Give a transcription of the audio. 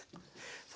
さあ